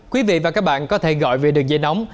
quý vị và các bạn có thể gọi về đường dây nóng